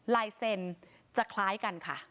ไลเซนจะคล้ายกันค่ะ